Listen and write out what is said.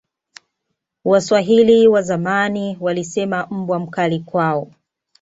waswahili wazamani walisema mbwa mkali kwao